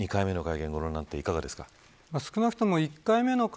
２回目の会見、ご覧になっていかがですか。